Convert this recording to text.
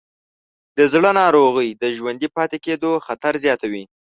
د زړه ناروغۍ د ژوندي پاتې کېدو خطر زیاتوې.